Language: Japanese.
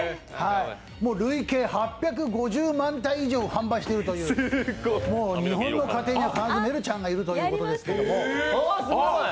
累計８５０万体以上販売しているというもう日本の家庭にはメルちゃんが必ずいるということですけど。